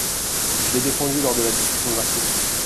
Je l’ai défendu lors de la discussion de l’article.